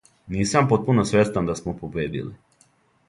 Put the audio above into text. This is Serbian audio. Нисам потпуно свестан да смо победили.